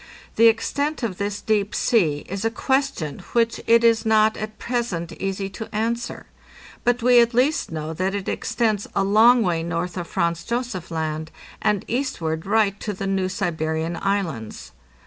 The extent of this deep sea is a question which it is not at present easy to answer; but we at least know that it extends a long way north of Franz Josef Land, and eastward right to the New Siberian Islands.